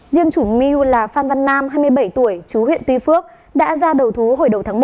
riêng chủ mưu là phan văn nam hai mươi bảy tuổi chú huyện tuy phước đã ra đầu thú hồi đầu tháng một